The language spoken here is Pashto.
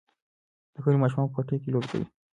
د کلي ماشومان په پټیو کې لوبې کوي.